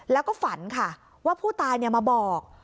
แล้วก็ฝันค่ะว่าผู้ตายมาบอก